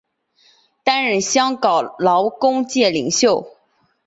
担任香港劳工界领袖。